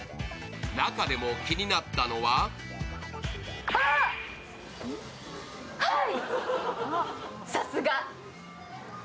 中でも気になったのは早っ！